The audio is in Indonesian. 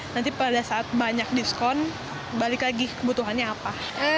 nanti pada saat banyak diskon balik lagi kebutuhannya apa